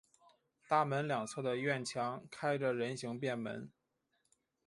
大门两侧的院墙开着人行便门。